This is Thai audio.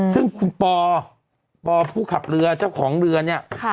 ซึ่งคุณปอปอผู้ขับเรือเจ้าของเรือเนี่ย